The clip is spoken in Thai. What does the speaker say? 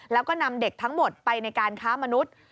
แล้วก็นำเด็กทั้งหมดไปในการค้ามนุษย์